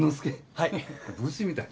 はい。